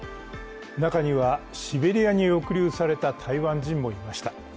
中には、シベリアに抑留された台湾人もいました。